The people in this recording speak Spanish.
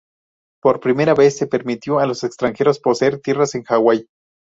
Por primera vez se permitió a los extranjeros poseer tierras en Hawái.